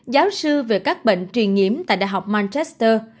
giáo sư về các bệnh truyền nhiễm tại đại học manchester